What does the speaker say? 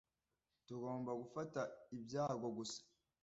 Tugomba gufata ibyago gusa